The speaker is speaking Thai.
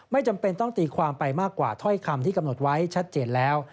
จำเป็นต้องตีความไปมากกว่าถ้อยคำที่กำหนดไว้ชัดเจนแล้ว